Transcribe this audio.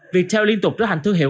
viettel liên tục trở thành thương hiệu